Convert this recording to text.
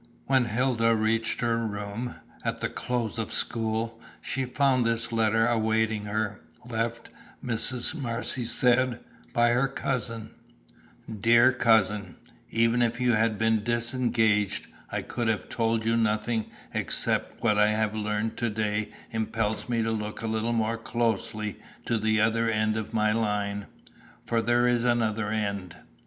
When Hilda reached her room, at the close of the school, she found this letter awaiting her, "left," Mrs. Marcy said, "by her cousin": "DEAR COUSIN, Even if you had been disengaged, I could have told you nothing except that what I have learned to day impels me to look a little more closely to the other end of my line. For there is another end.